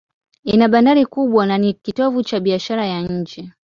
Ina bandari kubwa na ni kitovu cha biashara ya nje.